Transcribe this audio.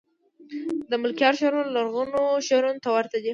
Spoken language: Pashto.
دملکیار شعر لرغونو شعرونو ته ورته دﺉ.